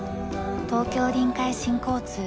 東京臨海新交通